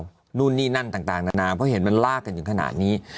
นู่นนี่นั่นต่างนานาเพราะเห็นมันลากกันถึงขนาดนี้